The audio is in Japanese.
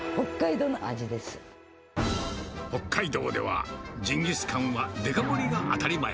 北海道では、ジンギスカンはデカ盛りが当たり前。